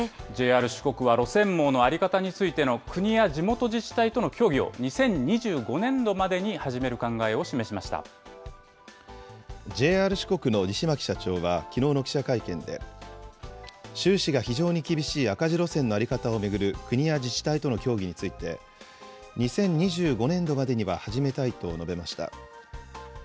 ＪＲ四国は、路線網の在り方についての国や地元自治体との協議を２０２５年度ＪＲ四国の西牧社長はきのうの記者会見で、収支が非常に厳しい赤字路線の在り方を巡る国や自治体との協議について、２０２５年度までには始めたいと述べました。